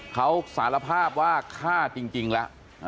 เขาสารภาพว่าฆ่าจริงแล้ว